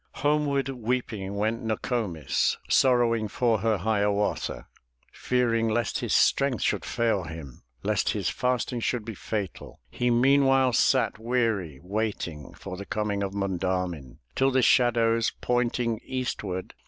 Homeward weeping went No ko'mis, Sorrowing for her Hiawatha, Fearing lest his strength should fail him, Lest his fasting should be fatal. He meanwhile sat weary waiting For the coming of Monda'min, Till the shadows, pointing eastward.